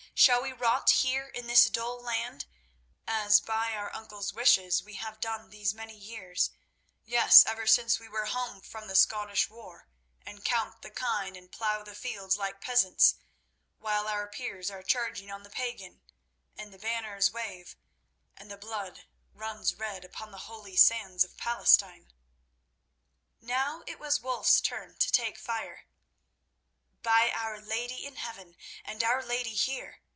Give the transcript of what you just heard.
Shall we rot here in this dull land, as by our uncle's wish we have done these many years, yes, ever since we were home from the Scottish war, and count the kine and plough the fields like peasants, while our peers are charging on the pagan, and the banners wave, and the blood runs red upon the holy sands of Palestine?" Now it was Wulf's turn to take fire. "By our Lady in Heaven, and our lady here!"